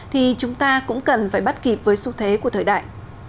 thì chúng ta cũng cần phải bắt kịp với xu thế của thời đại